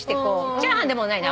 チャーハンでもないの。